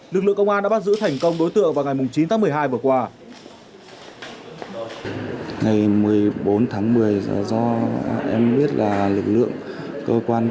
lực lượng công an đã bắt giữ thành công đối tượng vào ngày chín tháng một mươi hai vừa qua